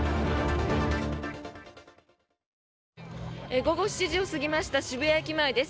午後７時を過ぎました渋谷駅前です。